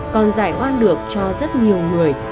còn giải oan được cho rất nhiều người